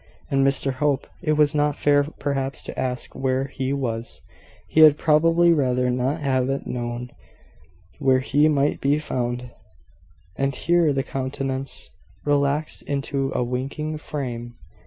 And Mr Hope it was not fair perhaps to ask where he was; he had probably rather not have it known where he might be found: (and here the countenance relaxed into a winking frame).